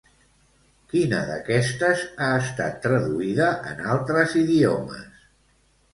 Quina d'aquestes ha estat traduïda en altres idiomes?